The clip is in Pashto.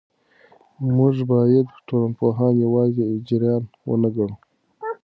موږ باید ټولنپوهان یوازې اجیران ونه ګڼو.